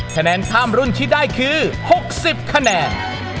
คะแนนข้ามรุ่นที่ได้คือ๖๐คะแนน